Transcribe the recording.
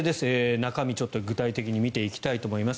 中身、具体的に見ていきたいと思います。